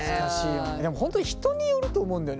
でも本当に人によると思うんだよね。